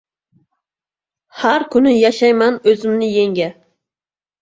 Har kuni yashayman, o‘zimni yenga